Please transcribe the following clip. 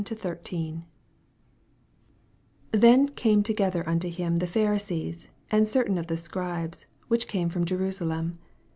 1 Then came together unto him the Pharisees, and certain of the Scribes, which came from Jerusalem.